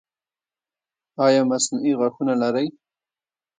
ایا مصنوعي غاښونه لرئ؟